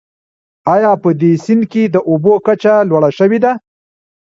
آیا په دې سیند کې د اوبو کچه لوړه شوې ده؟